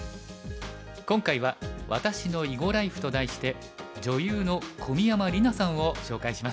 今回は「私の囲碁ライフ」と題して女優の小宮山莉渚さんを紹介します。